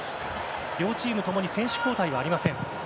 両チーム共に選手交代はありません。